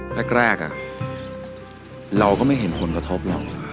แรกเราก็ไม่เห็นผลกระทบหรอก